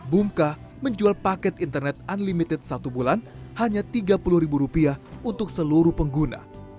bumka menjual paket internet unlimited satu bulan hanya tiga puluh ribu rupiah untuk seluruh pengguna